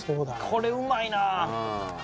これうまいなあ。